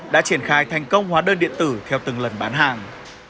đã triển khai thành công hóa đơn điện tử theo từng lần bán hàng